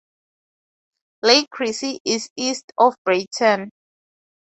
Lake Chrissie is east of Breyten.